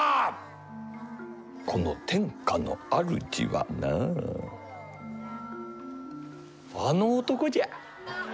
この天下の主はなあの男じゃ。